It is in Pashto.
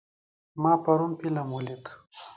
ما پرون فلم ولید.